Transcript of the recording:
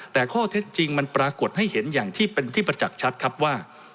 แต่ข้อเท็จจริงมันปรากฏให้เห็นอย่างที่เป็นที่ประจักษ์ชัดครับว่า